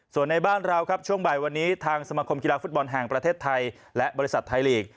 ส่วนในบ้านเราครับช่วงบ่ายวันนี้ทางสมคมกีฬาฟุตบอลแห่งประเทศไทยและบริษัทไทยลีก